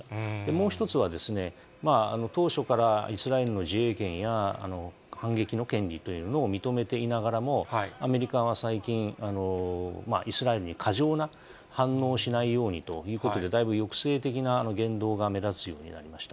もう１つは、当初からイスラエルの自衛権や反撃の権利というのを認めていながらも、アメリカは最近、イスラエルに過剰な反応をしないようにということで、だいぶ抑制的な言動が目立つようになりました。